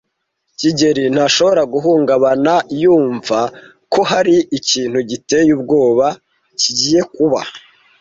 kigeli ntashobora guhungabana yumva ko hari ikintu giteye ubwoba kigiye kuba.